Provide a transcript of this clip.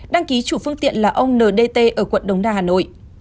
đăng ký chủ phương tiện là ông ndt ở quận đống đa hà nội